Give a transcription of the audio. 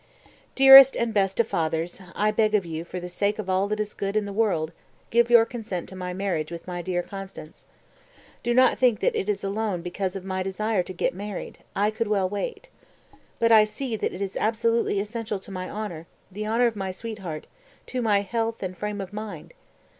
237. "Dearest and best of fathers: I beg of you, for the sake of all that is good in the world, give your consent to my marriage with my dear Constanze. Do not think that it is alone because of my desire to get married; I could well wait. But I see that it is absolutely essential to my honor, the honor of my sweetheart, to my health and frame of mind.